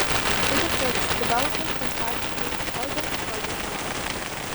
Ever since developers have tried to keep the Cobalt project alive.